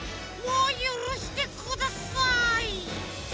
もうゆるしてください。